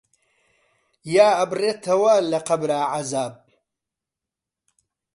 یا ئەبڕێتەوە لە قەبرا عەزاب